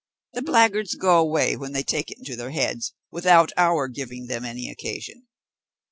The blackguards go away when they take it into their heads, without our giving them any occasion.